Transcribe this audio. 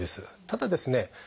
ただですね